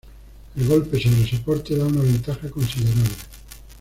El golpe sobre soporte da una ventaja considerable.